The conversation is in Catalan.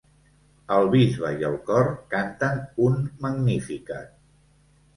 El bisbe i el cor canten un Magnificat.